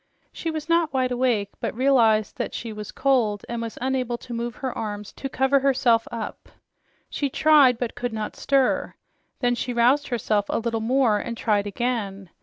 She was not wide awake, but realized that she was cold and unable to move her arms to cover herself up. She tried, but could not stir. Then she roused herself a little more and tried again.